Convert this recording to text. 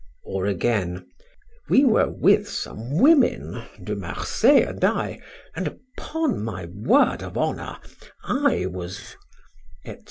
Or again: "We were with some women, De Marsay and I, and upon my word of honor, I was " etc.